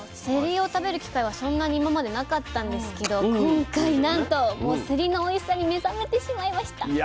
せりを食べる機会はそんなに今までなかったんですけど今回なんとせりのおいしさに目覚めてしまいました。